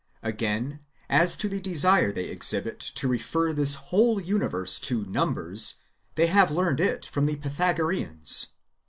Aixain, as to the desire they exhibit to refer this whole universe to numbers, they have learned it from the Pytha goreans.